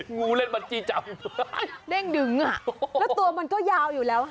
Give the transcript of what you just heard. งูเล่นบันทรี่จำแย้งดึงอ่ะตัวมันก็ยาวอยู่แล้ว๕เมตร